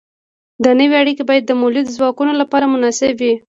دا نوې اړیکې باید د مؤلده ځواکونو لپاره مناسبې وي.